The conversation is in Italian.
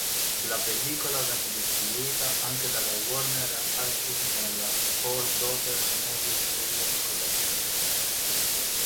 La pellicola venne distribuita anche dalla Warner Archive nella "Four Daughters Movie Series Collection".